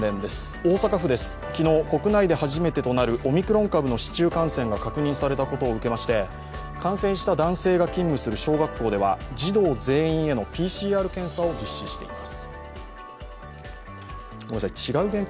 大阪府で昨日、国内で始めてとなるオミクロン株の市中感染が確認されたことを受けて感染した男性が勤務する小学校では児童全員へのＰＣＲ検査を実施しています。